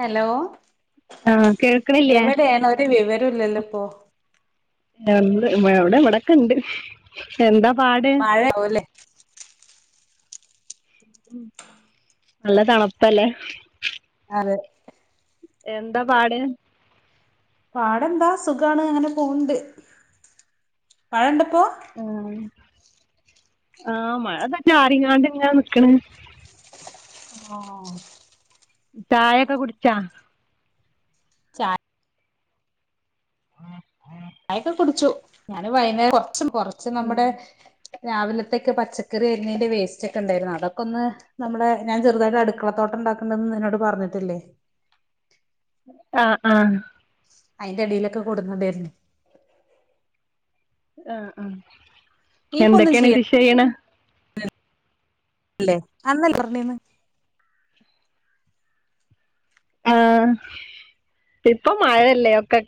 Hello ആ കേൾക്കണില്ലേ എവടേണ് ഒര് വിവരോം ഇല്ലല്ലോ ഇപ്പോ ഏഹ് എവിടെ ഇവിടെ ഒക്കുണ്ട് എന്താ പാട്. ഇപ്പോഴേ പോവല്ലേ. ഉം നല്ല തണുപ്പല്ലേ? അതെ എന്താ പാട്. പാട് എന്താ സുഖാണ് അങ്ങനെ പോവുണ്ട്, മഴയുണ്ടോ ഇപ്പൊ? ആഹ് ആഹ് മഴ ഇതാ ചാറിങ്ങാണ്ട് ഇങ്ങനെ നിൽക്കേണ്. ഓഹ് ചായ ഒക്കെ കുടിച്ചോ? ആ ആ ചായ ഒക്കെ കുടിച്ചു, ഞാാന് വൈകുന്നേരം കൊറച്ച് കൊറച്ച് നമ്മുടെ. രാവിലത്തേക്ക് പച്ചക്കറി അരിഞ്ഞതിന്റെ വേസ്റ്റ് ഒക്കെ ഉണ്ടായിരുന്നു, അതൊക്കെ ഒന്ന്. നമ്മളെ ഞാൻ ചെറുതായിട്ട് അടുക്കള തോട്ടം ഉണ്ടാക്കുണ്ടെന്ന് നിന്നോട് പറഞ്ഞിട്ടില്ലേ? ആഹ് ആഹ് അയിന്റെ അടിയിലൊക്കെ കൊണ്ടു വന്നിടുന്നുണ്ടായിരുന്നു. ആഹ് ആഹ് നീ ഇപ്പൊ ഒന്നും എന്തൊക്കെയാണ് ചെയ്യ കൃഷി ചെയ്യണേ. അല്ലേ, അന്നല്ലേ പറഞ്ഞത്. ആഹ് ഇപ്പൊ മഴയല്ലേ. ക്ക്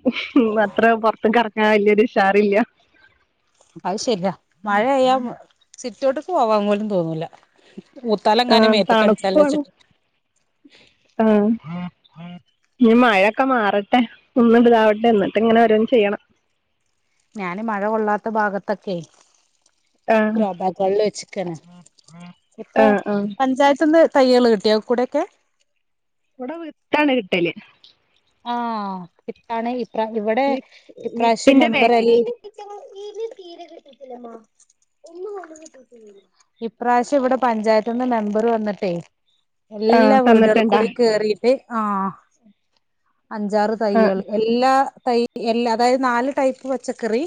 അത്ര പൊറത്തുക്ക് ഇറങ്ങാൻ വലിയൊരു ഉഷാറില്ല. അത് ശരിയാ മഴ ആയാൽ സിറ്റ് ഔട്ടേക്ക് പോവാൻ പോലും തോന്നൂല. ഊത്താല് ആ എങ്ങാനും മേത്തക്ക് അടിച്ചാല് എന്നുവെച്ചിട്ട്. ആഹ് ഇനി മഴയൊക്കെ മാറട്ടെ ഒന്ന് ഇതാവട്ടെ എന്നിട്ട് ഇങ്ങനെ ഓരോന്ന് ചെയ്യണം. ഞാന് മഴ കൊള്ളാത്ത ഭാഗത്തൊക്കെ. ആ ഗ്രോ ബാഗുകളിൽ വെച്ചാക്കേണ് ഇപ്പൊ ആ ആ പഞ്ചായത്തിനെ. തൈകൾ കിട്ടിയോ കൂടെ ഒക്കെ. ഇവിടെ വിത്താണ് കിട്ടല്. ആഹ് ഇപ്പാണ് ഇപ്ര ഇവിടെ വി ഇപ്രാവശ്യം വിത്തിന്റെ മെമ്പർ പാക്കറ്റ് എല്ലാം. നും തീരെ കിട്ടത്തില്ല ഇപ്രാവശ്യം ഇവിടെ പഞ്ചായത്ത് നിന്ന് മെമ്പർ വന്നിട്ടേ. ആഹ് എല്ലാ വീടുകളിൽ തന്നിട്ടുണ്ടാ കൂടി കേറീട്ട് ആഹ്. അഞ്ചാറ് ആഹ് തൈകൾ എല്ലാ തൈ എല്ലാ അതായത് നാല് ടൈപ്പ് പച്ചക്കറി.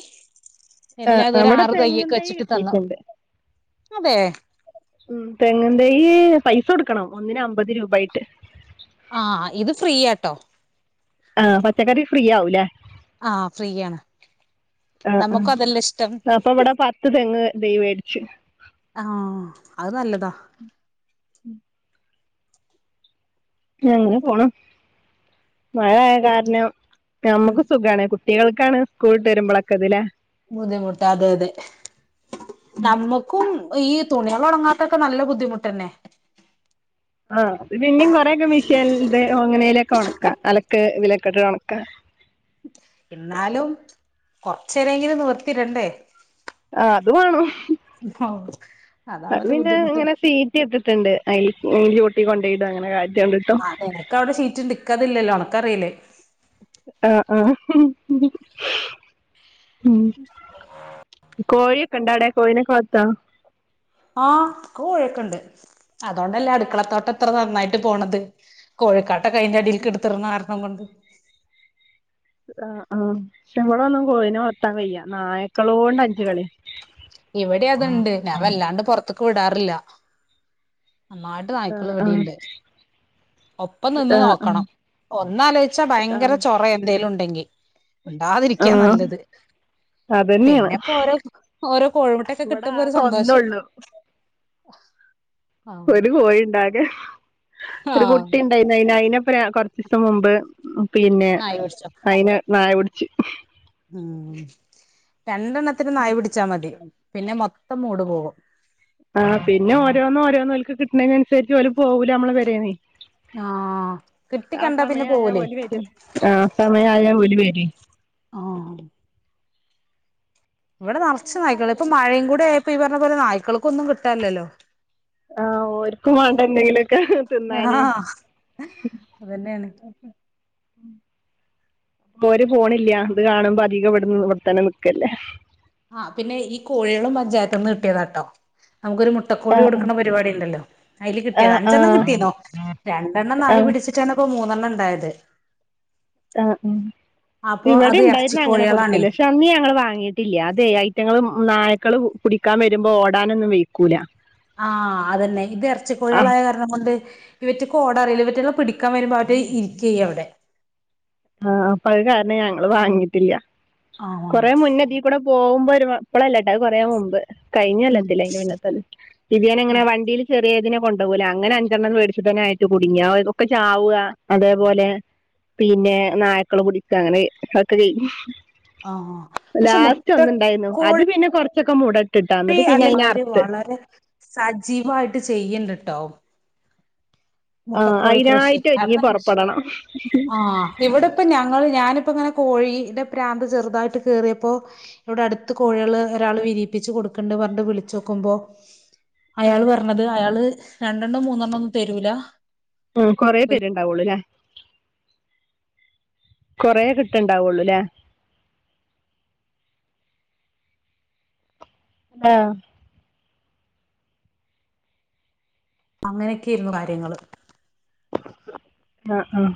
എല്ലാ ആഹ് അത് ഒരു അവിടെ ആറ് തെങ്ങും തൈയൊക്കെ തൈ വെച്ചിട്ട് തന്നു, കിട്ടിയിട്ടുണ്ട് അതെ. ഉം തെങ്ങിൻ തൈയെ പൈസ കൊടുക്കണം, ഒന്നിന് അമ്പത് രൂപായിട്ട്. ആഹ് ഇത് ഫ്രീയാട്ടോ. ആഹ് പച്ചക്കറി ഫ്രീ ആവൂലേ. ആഹ് ഫ്രീയാണ്. ആഹ് ആഹ് നമുക്കും അതല്ലേ ഇഷ്ടം അപ്പൊ ഇവിടെ പത്ത് തെങ്ങ് തൈ മേടിച്ചു. ആഹ് അത് നല്ലതാ. ഉം അങ്ങനെ പോണു, മഴയാ കാരണം ഉം നമുക്ക് സുഖാണ് കു കുട്ടികൾക്കാണ് സ്‌കൂൾ വിട്ട് വരുമ്പോഴൊക്കെ ഇതല്ലേ. ബുദ്ധിമുട്ടാ അതെ അതെ. നമ്മുക്കും ഈ തുണികള് ഉണങ്ങാത്തൊക്കെ നല്ല ബുദ്ധിമുട്ട് തന്നെ. ആഹ് ഇനി പിന്നെയും കുറെയൊക്കെ മെഷിനിൽ ഇതേ എങ്ങനെയേലും ഒക്കെ ഉണക്കാം, അലക്ക് ഇതിലൊക്കെ ഇട്ട് ഉണക്കാം. എന്നാലും കുറച്ചു നേരങ്കിലും ഒന്ന് നിവർത്തി ഇടണ്ടേ ആഹ് അത് വേണം ആഹ് അത് പിന്നെ ഇങ്ങനെ സീറ്റ് കെട്ടിട്ടുണ്ട് അതിൻ്റെ മൂട്ടിൽ കൊണ്ടോയിടും അങ്ങനെ കാറ്റ് ആഹ് നിനക്ക് അവിടെ ഷീറ്റ് ഉണ്ട് എനിക്കതില്ലല്ലോ നിനക്ക് അറിയില്ലേ ആഹ് ആഹ് ഉം കോഴി ഒണ്ടാ അവിടെ കോഴിനെ വളർത്താ ആഹ് കോഴി ഒക്കെയുണ്ട് അതുകൊണ്ടല്ലേ അടുക്കളത്തോട്ടം ഇത്ര നന്നായിട്ട് പോണത് കോഴിക്കാട്ട കയിന്റെ അടിൽക്ക് എടുത്തിരുന്ന കാരണം കൊണ്ട് ആഹ് ആഹ് ഇവിടെ ഒന്നും കോഴിനെ വളത്താൻ കയ്യ നായക്കളോ കൊണ്ട അയ്യംകളി ഇവിടെയും അതുണ്ട് ഞാൻ വല്ലാണ്ട് പുറത്തേക്ക് വിടാറില്ല നന്നായിട്ട് നായ്ക്കള് ആഹ് ഇവിടെയുണ്ട് ഒപ്പം നിന്ന് ആഹ് നോക്കണം ഒന്നാലോചിച്ചാ ഭയങ്കര ആഹ് ചൊറയാ എന്തെലും ഉണ്ടെങ്കിൽ മുണ്ടാതിരിക്കാ ആഹ് നല്ലത് അതന്നെയാണ് പിന്നെപ്പോ ഓരോ ഓരോ കോഴിമുട്ടൊക്കെ ഇവിടെ കിട്ടുമ്പോ ഒരു ആകെ സന്തോഷം ഒന്നൊള്ളു ഒരു കോഴിയുണ്ടാകെ ഒരു ആഹ് കുട്ടി ഉണ്ടായി അയിന് അയിനപ്പം കൊറച്ച് ദിവസം മുമ്പ് പിന്നെ നായ പിടിച്ചോ അയിനെ നായ പിടിച്ച്. ഉം രണ്ടെണ്ണത്തിനെ നായി പിടിച്ചാ മതി പിന്നെ മൊത്തം മൂട് പോകും. ആഹ് പിന്നെ ഓരോന്നോരോന്നോല്ക്ക് കിട്ടണേണൻസരിച് ഓല് പോവൂല അമ്മളെ പൊരേന്നെ. ആഹ് കിട്ടി ആഹ് കണ്ടാ പിന്നെ സമയായ പോവൂലേ ഓലി വരും ആ സമയയാ ഓലി വരെ. ആഹ്. വടെ നറച്ചു നായ്ക്കള് പ്പ മഴയും കൂടായപ്പോ ഈ പറഞ്ഞപോലെ നായ്ക്കള്ക്കോന്നും കിട്ടാല്ലല്ലോ. ആഹ് ഒര്ക്കും വാണ്ടേ എന്തെങ്കിലും ആഹ് അതെന്നാണ്. ഇപ്പൊര് പോണില്ല ത് കാണുമ്പോ അധികം ഇവിട്ന്ന് ഇവിടെത്തന്നെ നക്കല്ലേ. ആഹ് പിന്നെ ഈ കോഴികളും പഞ്ചായത്ത്ന്ന് കിട്ടിയേതാട്ടോ നമുക്കൊരു മുട്ടക്കോഴി ആഹ് കൊടുക്കണ പരിപാടി ണ്ടല്ലോ അതില് കിട്ടിയേതാ ആഹ് അഞ്ചെണ്ണം ആഹ് കിട്ടിയന്നോ. രണ്ടെണ്ണം നായ് ആഹ് പിടിച്ചിട്ടാണ്പ്പോ മൂന്നെണ്ണം ണ്ടായത്. ആഹ് ഉം അപ്പൊ ഇവിടെ അത് ഇണ്ടായിരുന്നങ്ങനെ ഇറച്ചിക്കോഴികളാണേ കൊടുക്കലേ പക്ഷെ അന്ന് ഞങ്ങള് വാങ്ങി ട്ടില്യ അതെ ഐറ്റങ്ങള്ൾ നായക്കള് കുടിക്കാൻ വരുമ്പോ ഓടാനൊന്നും വ കൂല. ആഹ് അതന്നെ ഇത് എറച്ചി ആഹ് കോഴികളായ ണങ്ങോണ്ട് ഇവറ്റക്കോടഅറീല ഇവറ്റളാ പിടിക്കാൻ വരുമ്പോ അവര് ഇരികയ്യ അവടെ. ആഹ് പഴ കാരണം ഞങ്ങള് വാങ്ങിട്ടില്ല ആഹ് കൊറ മുന്നതി- കൂടെ പോകുമ്പോ ഒരു പ്പളല്ലാട്ടാ അത് കൊറെ മുമ്പ് ഉം കഴിഞ്ഞുവല്ലത്തില്ല അതിന് പിന്നത്തല്ല തിരിയാനങ്ങനെ ഉം വണ്ടിൽ ചെറിയേതിനെ കൊണ്ടു പോകല അങ്ങനെ അഞ്ചണ്ണം മേടിച്ചിട്ടേ ആയിട്ട് കുടുങ്ങിയ ഒക്കെ ചാവുക. അതേപോലെ പിന്നെ നായക്കള് കുടിക്ക അങ്ങനെ ഒക്കെ ചെയ്യും. ആഹ് പക്ഷെ ലാസ്റ്റ് ഒന്നുണ്ടായിരുന്നു അത് മുട്ടക്കോഴി പിന്നെ കൊറച്ചൊക്കെ മൂട കിട്ടാത് പിന്നെ അതിന അല്ലെങ്കിൽ അവര് അർത്ത്. വളരെ സജീവായിട്ട് ചെയ്യണ്ടട്ടോ. ആ മുട്ട കോഴി കൃഷി അതിനായിട്ട് ഒരുങ്ങി പുറപ്പെടണം ആഹ്. ഇവിടെ ഇപ്പ ഞങ്ങൾ ഞാനിപ്പോ ഇങ്ങനെ കോഴിയുടെ പ്രാന്ത്‌ ചെറുതായിട്ട് കേറിയപ്പോ. ഇവിടെ അടുത്ത് കോഴികള് ഒരാള് വിരിയിപ്പിച്ച് കൊടുക്കണ്ട് പറഞ്ഞണ്ട് വിളിച്ചോക്കുമ്പോ. അയാള് പറഞ്ഞത് അയാള് രണ്ടെണ്ണം മൂന്നെണ്ണൊന്നും തെരൂല. ഉം കൊറെ പേരെ ഉണ്ടാവുള്ളൂല്ലേ. കൊറെ കിട്ടണ്ടാവുള്ളൂല്ലേ. ആഹ് അങ്ങനെ ഒക്കെ ആയിരുന്നു കാര്യങ്ങള്. ആഹ് ആഹ്.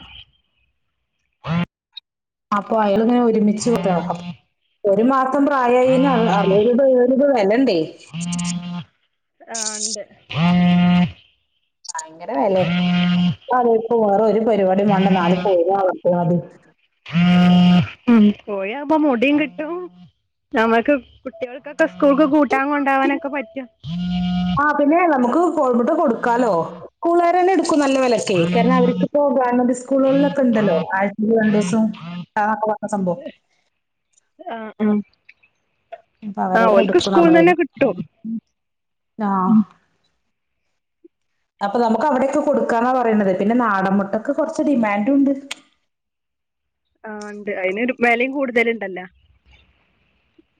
അപ്പൊ അയാൾ ഇങ്ങനെ ഒരുമിച്ച് വിട്ടേക്കും ഒരു മാസം പ്രായം ഇനി അവിടെ. ഇത് വരേണ്ടേ. ആഹ് ഇണ്ട്. ഭയങ്കര വില അത് ഇപ്പോ വേറെ ഒരു പരിപാടി വേണ്ട, നാല് പോവു [unintelligible] അത്. ഉം പോയാൽ ഇപ്പൊ മുടിയും കിട്ടും. നമുക്ക് കുട്ടികൾക്ക് ഒക്കെ സ്കൂളിൽ കൂട്ടാൻ കൊണ്ട് പോവാനൊക്കെ പറ്റും. ആഹ് പിന്നെ നമുക്ക് കോഴി മുട്ട കൊടുക്കാലോ. സ്കൂളുകാര് തന്നെ എടുക്കും നല്ലപോലെ ഒക്കെയേ കാരണം അവർക്ക് പോകാനും സ്കൂളുകളിൽ ഒക്കെ ഉണ്ടല്ലോ ആദ്യത്തെ രണ്ടുദിവസം. ആഹ് അപ്പൊ പറഞ്ഞു സംഭവം. ആഹ് ആഹ്. ഇപ്പൊ അവരെ തന്നെ എടുക്കും നമ്മളന്ന് കിട്ടും ആഹ്. അപ്പൊ നമുക്ക് അവിടെ ഒക്കെ കൊടുക്കാനാ പറയണത്, പിന്നെ നാടൻ മുട്ടക്ക് കുറച്ച് ഡിമാൻഡ് ഉണ്ട്. ആഹ് ഉണ്ട് അതിന് വിലയും കൂടുതൽ ഉണ്ടല്ലോ.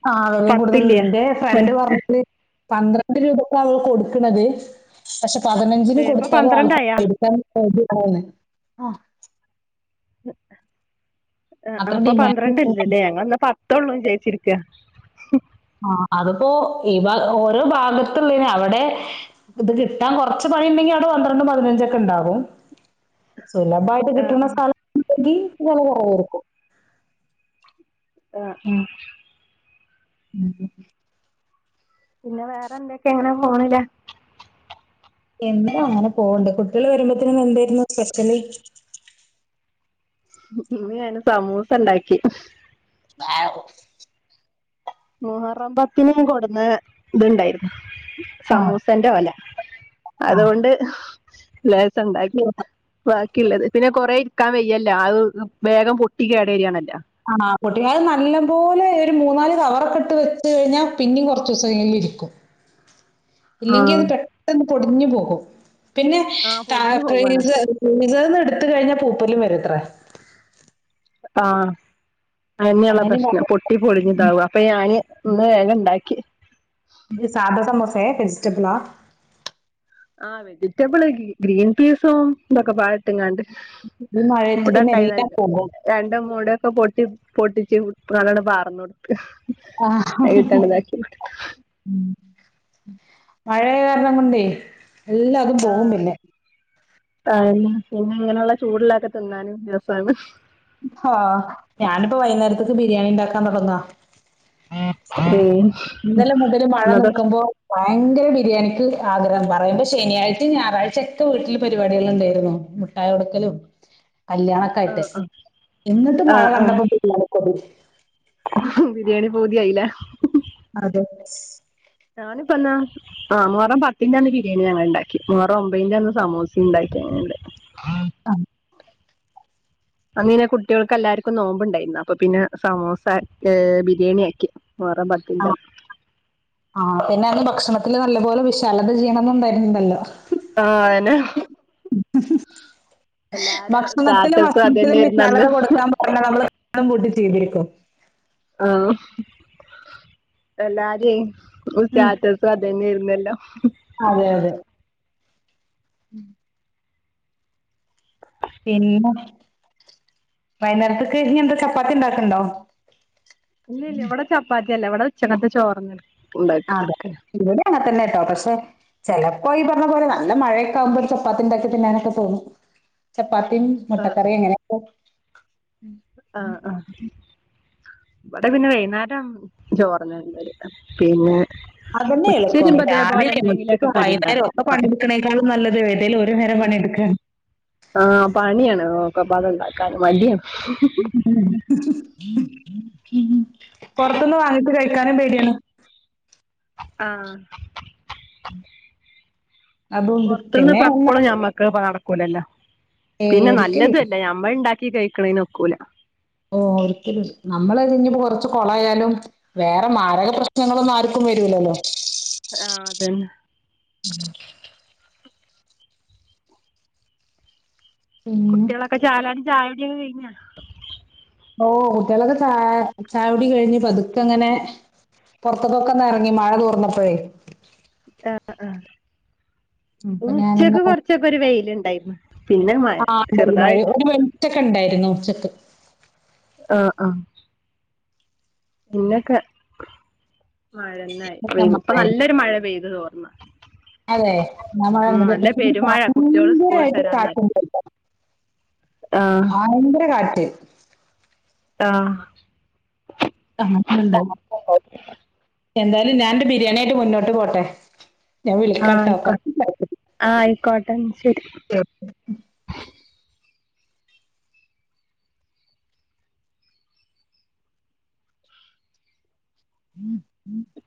ആഹ് വിലയും കൂടുതലുണ്ട് പത്തില്ലേ എന്റെ മൻ ഫ്രണ്ട് പറഞ്ഞിട്ട്. പന്ത്രണ്ട് രൂപക്ക് അവൾ കൊടുക്കണത്, പക്ഷെ പതിനഞ്ചിന് ഏ ഇപ്പൊ കൊടുത്താലും ആൾക്കാര് പന്ത്രണ്ടായാ മേടിക്കാൻ. റെഡിയാണ് ആഹ്. ആഹ് അത്ര അപ്പൊ ഡിമാൻഡ് പന്ത്രണ്ടല്ലല്ലേ, എന്നാ ഞങ്ങള് പത്തൊള്ളൂ വിചാരിച്ചിരിക്കാ. ആഹ് അതിപ്പോ ഈ ഭാ ഓരോ ഭാഗത്തുള്ളേന് അവിടെ. ഇത് കിട്ടാൻ കുറച്ച് പണി ഉണ്ടെങ്കിൽ അവിടെ പന്ത്രണ്ടും പതിനഞ്ച് ഒക്കെ ഉണ്ടാവും സുലഭമായി. ഇത് കിട്ടുന്ന ആഹ് സ്ഥലം ഉണ്ടെങ്കിൽ വില കുറവായിരിക്കും. ആഹ് ആഹ് ഉം പിന്നെ വേറെ എന്തൊക്കെ എങ്ങനെ പോണ് ഇല്ലേ. എന്താ അങ്ങനെ പോവുണ്ട് കുട്ടികൾ വരുമ്പോത്തേനും എന്തായിരുന്നു സ്പെഷ്യല്. ഇന്ന് ഞാൻ സമൂസ ഉണ്ടാക്കി. [inaudible] മുഹറാപ്പത്തേന് കൊണ്ടുന്ന് ഇതുണ്ടായിരുന്നു സമൂസന്റെ ഓല. ആഹ് അതുകൊണ്ട് ലേസം ഉണ്ടാക്കി. ബാക്കിയുള്ളത് പിന്നെ കൊറെ നിക്കാൻ വയ്യല്ലോ അത് വേഗം പൊട്ടി കേട് വരാണല്ലോ. ആഹ് പൊട്ടിക്കാൻ നല്ലപോലെ ഒരു മൂന്ന് നാല് കവറൊക്കെ ഇട്ട് വെച്ച് കഴിഞ്ഞാൽ പിന്നെയും കുറച്ച് ദിവസം എങ്കിലും ഇരിക്കും. ഇല്ലെങ്കിൽ ആഹ് അത് പെട്ടെന്ന് പൊടിഞ്ഞു പോകും, പിന്നെ. ആഹ് പൊടിഞ്ഞു [unintelligible] പോവാണ് ഫീസർന്ന് എടുത്ത് കഴിഞ്ഞാൽ പൂപ്പലും വരും അത്ര. ആഹ് അതെന്നെ ഉള്ള അങ്ങനിം പ്രശ്നം. പൊട്ടി പൊളിഞ്ഞതാവും അപ്പൊ ഞാന് ഇന്ന് വേഗം ഉണ്ടാക്കി. ഈ സദാ സമൂസാ വെജിറ്റബ്ളാ. ആഹ് വെജിറ്റബ്ൾസ് ഗ്രീൻ പീസും ഇതൊക്കെ പാടെ ഇട്ടുങ്ങോട്. ഈ മഴയത്ത് പിന്നെ മുടണ്ടായിരുന്നു എല്ലാം നല്ല. പോകും. രണ്ട് കൂടെ ഒക്കെ പൊട്ടി പൊട്ടിച്ചു അതങ്ങോട്ട് പാറുന്നു. അയിട്ടണ്താക്കി മഴേയ കാരണം കൊണ്ടേ എല്ലാതും പോകു പിന്നെ ആ പിന്നെ ഇങ്ങനെയുള്ള ചൂടള്ളൊക്കെ തിന്നാനും രസാണ് ആ ഞാനിപ്പോ വൈകുന്നേരത്തേക്ക് ബിരിയാണി ഉണ്ടാക്കാൻ തുടങ്ങാ ഏഹ് ഇന്നലെ മുതല് മഴ നിക്കുമ്പോ ഭയങ്കര ബിരിയാണിക്ക് ആഗ്രഹം പറയുമ്പോ ശനിയാഴ്ച ഞായറാഴ്ചയൊക്കെ വീട്ടില് പരിപാടികൾ ഉണ്ടായിരുന്നു മുട്ടായി കൊടുക്കലും ആ കല്യാണൊക്കായിട്ടെ എന്നിട്ടും ആ മഴ ആ ആ കണ്ടപ്പോ ബിരിയാണി കൊതി ബിരിയാണി പൂതിയായില്ലെ അതെ ഞാനിപ്പെന്ന ആ മുഹറം പത്തിന്റെ അന്ന് ബിരിയാണി ഞങ്ങൾ ഉണ്ടാക്കി മുഹറം ഒമ്പതിന്റെ അന്ന് സമൂസ ഉണ്ടാക്കി അങ്ങണ്ട് ആ അന്ന് പിന്നെ കുട്ട്യോൾക്ക് എല്ലാർക്കും നോമ്പ് ഉണ്ടായിരുന്നു അപ്പൊ പിന്നെ സമൂസ ബിരിയാണി ആക്കി മുഹറം പത്ത് ആ ആ പിന്നെ അന്നാ ഭക്ഷണത്തില് നല്ലപോലെ വിശാലത ചെയ്യണംന്നു ഉണ്ടായിുന്നില്ലല്ലോ ആഹ് അന്നെ എല്ലാരും ഭക്ഷണത്തിലും സ്റ്റാറ്റസും വസ്ത്രത്തിലും അതന്നൊയിരുന്നു വിശാലത അന്ന് [unintelligible] നമ്മള് കൂട്ടി ചെയ്തിരിക്കും ആഹ് എല്ലാരെ ഒ ഉം സ്റ്റാറ്റസ് സും അതന്നെരുന്നല്ലോ അതെ അതെ പിന്നെ വൈന്നേരത്തേക്ക് ഇനി എന്താ ചപ്പാത്തി ഉണ്ടാക്ക്ണ്ടോ ഇല്ല ഇല്ല ഇവിടെ ചപ്പാത്തിയല്ല ഇവിടെ ഉച്ചകത്തെ ചോറാന്ന് ഉണ്ട എടുക്ക ഇവടിം അങ്ങതന്നെ ട്ടോ പക്ഷെ ചെലപ്പോ ഇ ണ പോലെ നല്ല മഴയൊക്ക ആകുമ്പോ ഒരു ചപ്പാത്തി ഇണ്ടാക്കി തിന്നാനൊക്കെ തോന്നും ചപ്പാത്തിം ആഹ് മുട്ടക്കറി അങ്ങനെ ഓക്ക് ആഹ് ആഹ് ഇവ്ടെ പിന്ന വൈന്നാരം ചോറഞ്ഞെ തിന്നാല് പിന്നെ അതന്നെ ഉച്ച എൾപ്പം തിരിയുമ്പോ ഇതേപോലെ രാവിലെ അതന്നെ എളുപ്പം രാവിലിം എന്തെങ്കിലുമൊക്കെ ഉച്ചക്കു കടി വൈകുന്നേരം ഉണ്ടാക്കും ഒക്ക പണിയ്ട്ക്ക്ണെക്കളും നല്ലത് ഏതേലും ഒര് നേരം പണിയ്ട്ക്കാണ് ആഹ് പണിയാണ് ഒക്കപ്പാട് ഇണ്ടാക്കാന് മടിയാ പോർത്ത്ന്ന് വാങ്ങിട്ട് കഴിക്കാനും പേടിയാണ് ആഹ് അതുണ്ട് പോർത്ത്ന്ന്പ്പ പിന്നെ എപ്പളും ഞമ്മക്ക് പാട് ക്കൂലല്ല ഏയ് പിന്ന ഒരിക്കലും നല്ലത് ഇല്ല അല്ല നമ്മൾ ഇണ്ടാക്കി കഴിക്ക്ണ്ന് ഒക്കൂല ഓഹ് ഒരിക്കലു നമ്മള് അതിന് കൊറച്ച് കൊളയാലും വേറെ മാരക പ്രശ്നങ്ങളോന്ന് ആർക്കും വരൂലല്ലോ ആഹ് അതന്നെ ഉം കുട്ട്യാളക്ക ചാലാടി ചായൊടി കെ കഴിഞ്ഞോ ഓ കുട്ട്യാളക്ക ചായ ചായൊടി കഴിഞ് പത്ക്ക ഇങ്ങനെ പോർത്ത്ക്കൊക്ക ഒന്ന് എറങ്ങി മഴ തൂർന്നപ്പഴേ ആഹ് ആഹ് അപ്പൊ ഞാനിന്ന് ഉച്ചക്ക് കൊർച്ചൊക്ക ഒര് വെയ്ല് ഇണ്ടായ്ര്ന്ന് [unintelligible] ഒര് വെൾച്ചക്ക ഇണ്ടായ്രുന്നു ഉച്ചക്ക് ആഹ് ആഹ് പിന്നക്ക മഴന്നായി ഇന്നത്തെ വെയ്ക്കു, ഇപ്പ നല്ല മഴയുണ്ട്. ഒര് മഴ പെയ്ത്- തോർന്ന. അതെ നമ്മള്, [unintelligible] കുട്ടികള് സ്കൂളിട്ട് ഭയങ്കരായിട്ട് വരാൻ - നേരത്ത് [unintelligible] ആ ഭയകര കാറ്റ്. ആഹ്, ആഹ് ഇന്ന് എന്തായാലും, എന്തായാലും ഞാൻന്റെ- ബിരിയാണിയായ്ട്ട് മുന്നോട്ട് പോട്ടെ. ഞാൻ ആ വിളിക്കാട്ടോ, ആയിക്കോട്ടെ കുറച്ച്- ആ ആയിക്കോട്ടെ ശരി തിരക്കുണ്ട്. [inaudible]